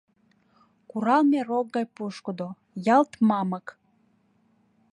Куралме рок гай пушкыдо, ялт мамык.